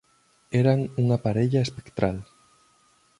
Eran unha parella espectral.